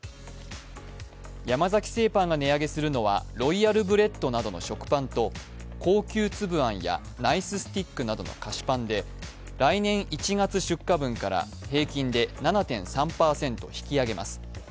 山崎製パンが値上げするのはロイヤルブレッドなどの食パンと高級つぶあんやナイススティックなどの菓子パンで来年１月出荷分から平均で７．３％引き上げます。